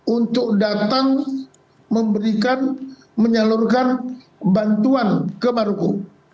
untuk datang memberikan menyalurkan bantuan ke maroko